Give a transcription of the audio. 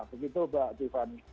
begitu mbak tiffany